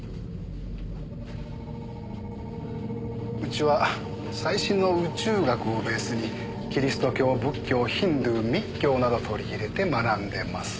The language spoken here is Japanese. うちは最新の宇宙学をベースにキリスト教仏教ヒンドゥー密教など取り入れて学んでます。